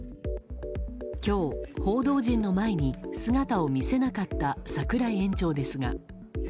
今日、報道陣の前に姿を見せなかった櫻井園長ですが。